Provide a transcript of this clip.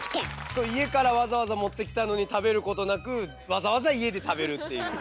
そう家からわざわざ持ってきたのに食べることなくわざわざ家で食べるっていう。